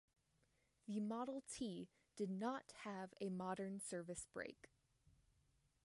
The Model T did not have a modern service brake.